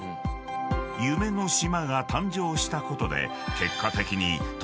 ［夢の島が誕生したことで結果的に］